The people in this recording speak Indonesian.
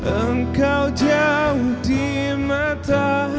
engkau jauh di mata